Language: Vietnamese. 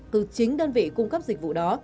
từ chính đơn vị cung cấp dịch vụ đó